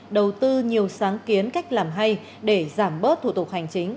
đầu tư nhiều sáng kiến cách làm hay để giảm bớt thủ tục hành chính